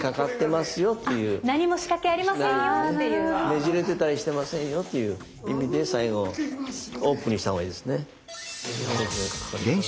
ねじれてたりしてませんよっていう意味で最後オープンにした方がいいですね。